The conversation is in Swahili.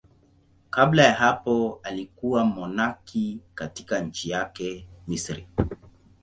Kabla ya hapo alikuwa mmonaki katika nchi yake, Misri.